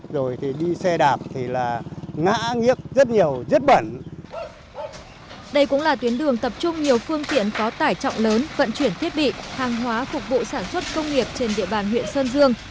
đây cũng là tuyến đường tập trung nhiều phương tiện có tải trọng lớn vận chuyển thiết bị hàng hóa phục vụ sản xuất công nghiệp trên địa bàn huyện sơn dương